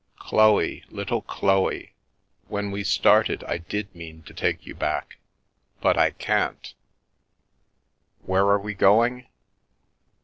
" Chloe, little Chloe, when w started I did mean to take you back — but I can' Where are we going?